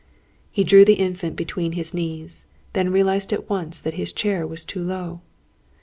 He drew the Infant between his knees; then realised at once that his chair was too low.